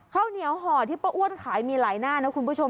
ข้าวเหนียวห่อที่ป้าอ้วนขายมีหลายหน้านะคุณผู้ชม